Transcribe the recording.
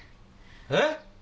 えっ？